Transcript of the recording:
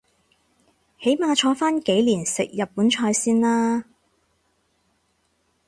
起碼坐返幾年食日本菜先啦